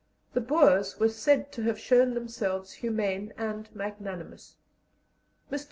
The Boers were said to have shown themselves humane and magnanimous. Mr.